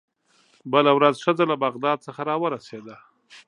بله ورځ ښځه له بغداد څخه راورسېده.